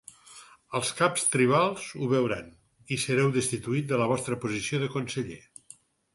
Els caps tribals ho veuran i sereu destituït de la vostra posició de conseller.